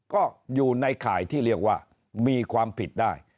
ก็อยู่ในข่ายที่เรียกว่ามีความผิดได้